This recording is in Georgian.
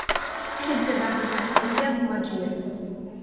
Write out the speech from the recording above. ხიდზე დამონტაჟებულია მოაჯირები.